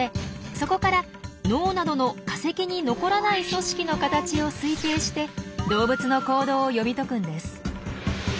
そこから脳などの化石に残らない組織の形を推定して動物の行動を読み解くんです。